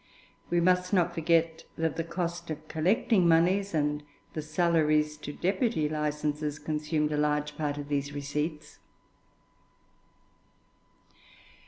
We must not forget that the cost of collecting moneys, and the salaries to deputy licensers, consumed a large part of these receipts.